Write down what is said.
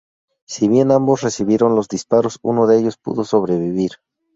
Si bien ambos recibieron los disparos, uno de ellos pudo sobrevivir.